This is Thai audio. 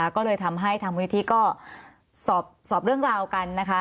ก็เลยทำให้ทางมูลนิธิก็สอบเรื่องราวกันนะคะ